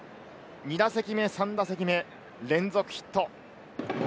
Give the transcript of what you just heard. ２打席目、３打席目で連続ヒット。